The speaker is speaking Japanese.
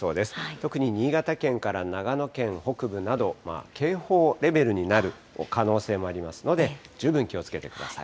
特に新潟県から長野県北部など、警報レベルになる可能性もありますので、十分気をつけてください。